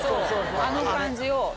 あの感じを。